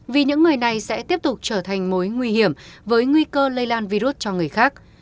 vì những người này sẽ tiếp tục trở thành mối nguy hiểm với nguy cơ lây lan virus cho người khác